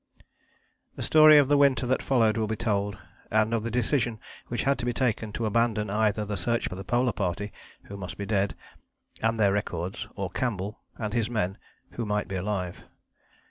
The story of the winter that followed will be told, and of the decision which had to be taken to abandon either the search for the Polar Party (who must be dead) and their records, or Campbell and his men (who might be alive).